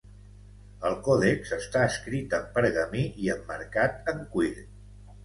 El còdex està escrit en pergamí i emmarcat en cuir.